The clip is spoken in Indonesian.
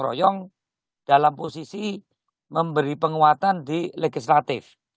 dan saya seroyong dalam posisi memberi penguatan di legislatif